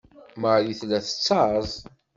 Marie tella tettaẓ.